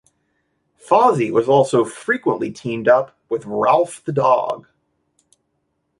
Fozzie was also frequently teamed up with Rowlf the Dog.